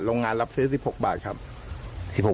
โรงงานรับซื้อ๑๖บาทครับ